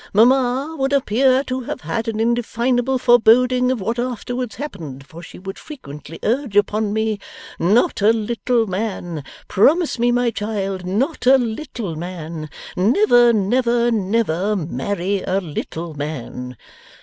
'Mamma would appear to have had an indefinable foreboding of what afterwards happened, for she would frequently urge upon me, "Not a little man. Promise me, my child, not a little man. Never, never, never, marry a little man!"